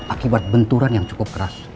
akibat benturan yang cukup keras